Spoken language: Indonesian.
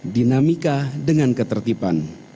dinamika dengan ketertiban